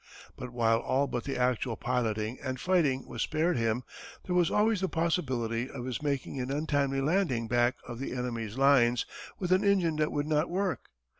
But while all but the actual piloting and fighting was spared him, there was always the possibility of his making an untimely landing back of the enemy's lines with an engine that would not work.